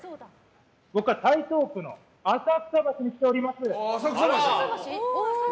僕は台東区の浅草橋に来ております。